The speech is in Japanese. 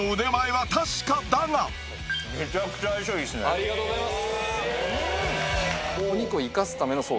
ありがとうございます！